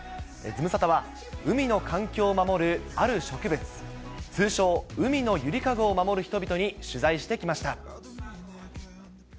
ズムサタは、海の環境を守る、ある植物、通称、海のゆりかごを守る人々に取材してきました。